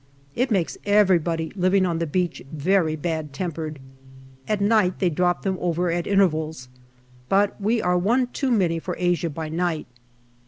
It makes everybody living on the beach very bad tempered At night they drop them over at intervals. But we are one too many for Asia by night.